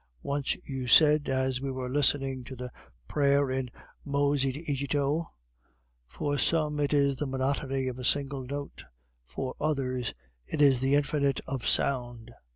Once you said, as we were listening to the Prayer in Mose in Egitto, 'For some it is the monotony of a single note; for others, it is the infinite of sound.